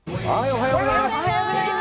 おはようございます！